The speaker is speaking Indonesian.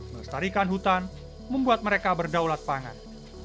melestarikan hutan membuat mereka berdaulat pangan